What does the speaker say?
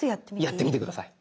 やってみて下さい。